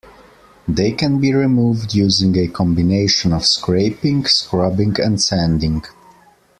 They can be removed using a combination of scraping, scrubbing and sanding.